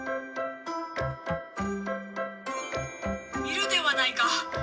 「いるではないか。